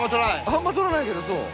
あんま撮らないけどそう。